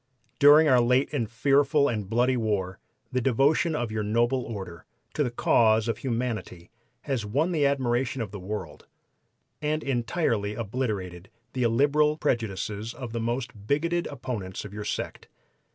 "'During our late fearful and bloody war the devotion of your noble order to the cause of humanity has won the admiration of the world, and entirely obliterated the illiberal prejudices of the most bigoted opponents of your sect.